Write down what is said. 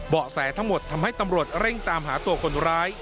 แสทั้งหมดทำให้ตำรวจเร่งตามหาตัวคนร้าย